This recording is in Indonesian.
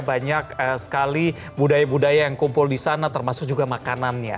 banyak sekali budaya budaya yang kumpul di sana termasuk juga makanannya